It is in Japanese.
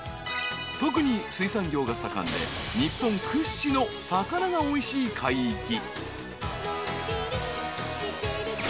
［特に水産業が盛んで日本屈指の魚がおいしい海域］